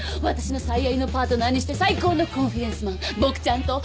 私の最愛のパートナーにして最高のコンフィデンスマン。